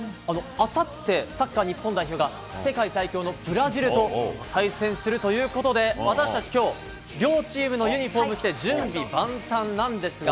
あさって、サッカー日本代表が、世界最強のブラジルと対戦するということで、私たちきょう、両チームのユニホーム着て、準備万端なんですが。